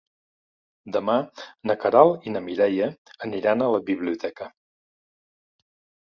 Demà na Queralt i na Mireia aniran a la biblioteca.